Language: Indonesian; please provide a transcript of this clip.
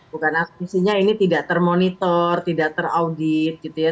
bukan artinya ini tidak termonitor tidak teraudit gitu ya